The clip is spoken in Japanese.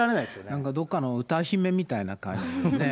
なんか、どっかの歌姫みたいな感じでね。